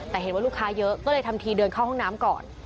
แต่เห็นว่าลูกค้าเยอะก็เลยทำทีเดินเข้าห้องน้ำก่อน